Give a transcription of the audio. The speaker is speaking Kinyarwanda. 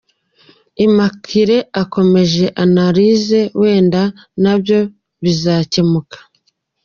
Immaculee akomeze analysis wenda nabyo bizakemuka.